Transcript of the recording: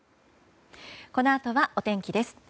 このあとは、お天気です。